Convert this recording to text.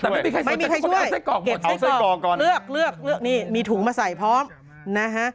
ไม่มีใครช่วยเก็บใส่กรอกเลือกเลือกนี่มีถุงมาใส่พร้อมนะฮะ